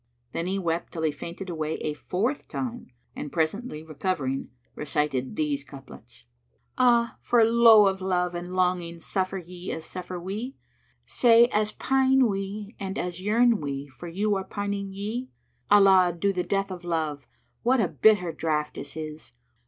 Then he wept till he fainted away a fourth time, and presently recovering, recited these couplets, "Ah! for lowe of love and longing suffer ye as suffer we? * Say, as pine we and as yearn we for you are pining ye? Allah do the death of Love, what a bitter draught is his!